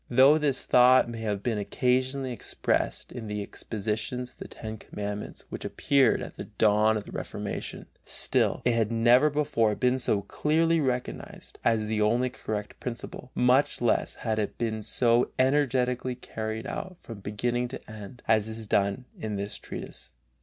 Though this thought may have been occasionally expressed in the expositions of the Ten Commandments which appeared at the dawn of the Reformation, still it had never before been so clearly recognized as the only correct principle, much less had it been so energetically carried out from beginning to end, as is done in this treatise.